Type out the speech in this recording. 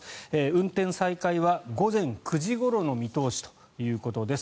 運転再開は午前９時ごろの見通しということです。